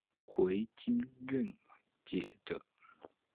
回京任谒者。